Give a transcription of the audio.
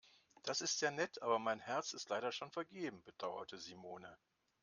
Das ist sehr nett, aber mein Herz ist leider schon vergeben, bedauerte Simone.